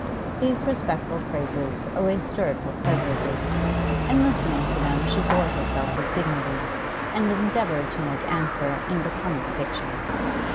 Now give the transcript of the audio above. These respectful phrases always stirred her pleasurably: in listening to them she bore herself with dignity, and endeavoured to make answer in becoming diction.